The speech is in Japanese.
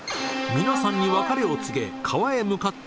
皆さんに別れを告げ川へ向かって